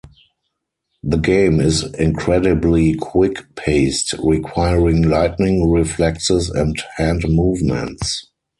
The game is incredibly quick paced, requiring lightning reflexes and hand movements.